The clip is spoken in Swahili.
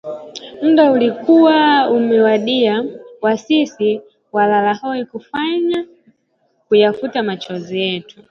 Muda ulikuwa umewadia wa sisi walalahoi kuyafuta machozi yetu